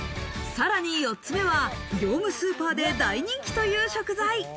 さらに４つ目は業務スーパーで大人気という食材。